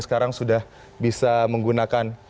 sekarang sudah bisa menggunakan